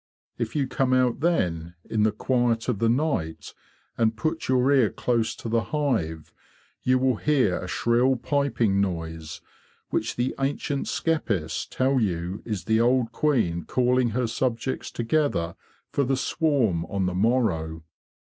If you come out then in the quiet of the night THE QUEEN BEE 97 and put your ear close to the hive, you will hear a shrill piping noise which the ancient skeppists tell you is the old queen calling her subjects together for the swarm on the morrow.